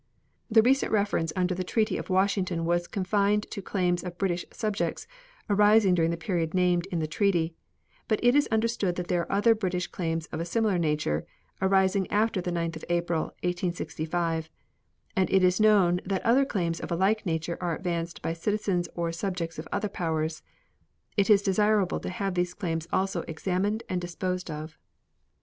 The recent reference under the treaty of Washington was confined to claims of British subjects arising during the period named in the treaty; but it is understood that there are other British claims of a similar nature, arising after the 9th of April, 1865, and it is known that other claims of a like nature are advanced by citizens or subjects of other powers. It is desirable to have these claims also examined and disposed of.